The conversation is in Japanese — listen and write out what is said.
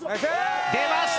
出ました！